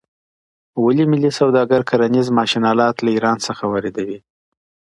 ولي ملي سوداګر کرنیز ماشین الات له ایران څخه واردوي؟